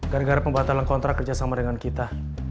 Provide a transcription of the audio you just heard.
gara gara pembatalan kontrak kerjasama dengan kita